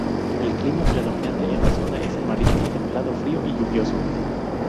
El clima predominante en esta zona es el marítimo templado-frío y lluvioso.